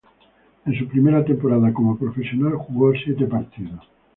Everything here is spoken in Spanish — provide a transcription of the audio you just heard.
En su primera temporada como profesional jugó siete partidos.